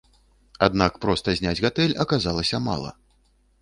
Аднак проста зняць гатэль аказалася мала.